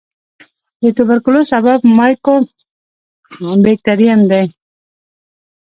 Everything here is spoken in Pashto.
د توبرکلوس سبب مایکوبیکټریم دی.